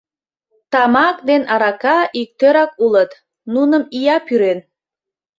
Тамак ден арака иктӧрак улыт: нуным ия пӱрен.